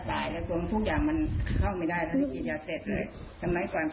สมกันความต้องคุกอย่างมันเข้าไม่ได้ถ้าขีดยาเกล็ดเลย